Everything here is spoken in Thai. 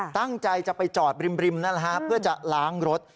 ตั้งใจจะไปจอดบริมนะฮะเพื่อจะล้างรถ